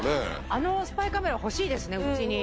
あのスパイカメラ欲しいですねうちに。